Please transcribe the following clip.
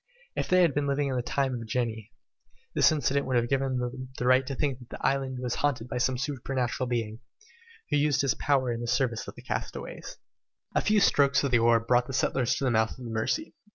If they had been living in the time of genii, this incident would have given them the right to think that the island was haunted by some supernatural being, who used his power in the service of the castaways! A few strokes of the oar brought the settlers to the mouth of the Mercy.